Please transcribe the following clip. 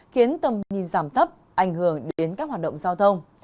khiến tầm nhìn giảm thấp ảnh hưởng đến các hoạt động giao thông